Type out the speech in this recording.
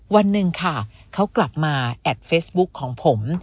วันหนึ่งค่ะเขากลับมาแอดเฟซบุ๊คของผม